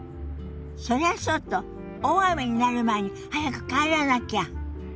それはそうと大雨になる前に早く帰らなきゃ。